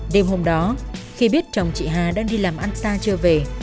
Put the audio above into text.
đêm hôm đó khi biết chồng chị hà đang đi làm ăn xa chưa về